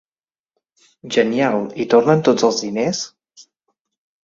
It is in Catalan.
Genial i tornen tots els diners?